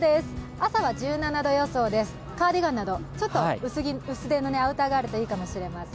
朝は１７度予想でカーディガンなどちょっと薄手のアウターがあるといいかもしれません。